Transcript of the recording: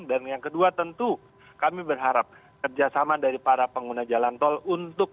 dan yang kedua tentu kami berharap kerjasama dari para pengguna jalan tol untuk